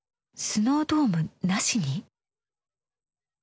「スノードームなしに」？